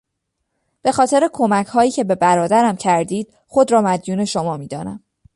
به خاطر کمکهایی که به برادرم کردید خود را مدیون شما میدانم.